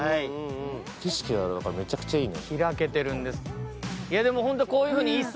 景色がめちゃくちゃいいね。